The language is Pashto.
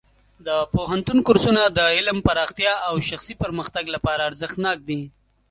د پوهنتون کورسونه د علم پراختیا او شخصي پرمختګ لپاره ارزښتناک دي.